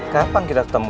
karena aku lagi sibuk